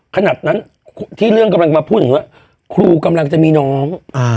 ขนาดนั้นที่เรื่องกำลังมาพูดถึงว่าครูกำลังจะมีน้อง